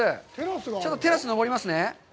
ちょっとテラス、上りますね。